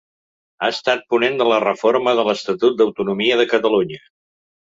Ha estat ponent de la Reforma de l'Estatut d'Autonomia de Catalunya.